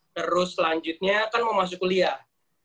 terus selanjutnya kan mau masuk kuliah